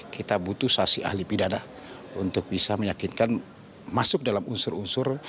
kita butuh saksi ahli pidana untuk bisa meyakinkan masuk dalam unsur unsur